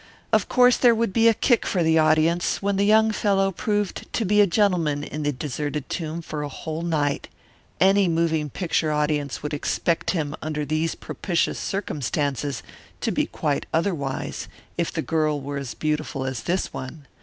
Of course there would be a kick for the audience when the young fellow proved to be a gentleman in the deserted tomb for a whole night any moving picture audience would expect him under these propitious circumstances to be quite otherwise, if the girl were as beautiful as this one.